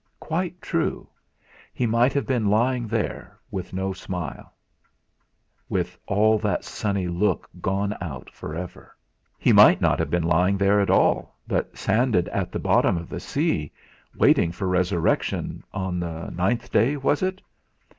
Quite true! He might have been lying there with no smile, with all that sunny look gone out for ever! He might not have been lying there at all, but "sanded" at the bottom of the sea, waiting for resurrection on the ninth day, was it?